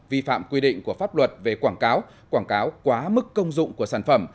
vi phạm quy định của pháp luật về quảng cáo quảng cáo quá mức công dụng của sản phẩm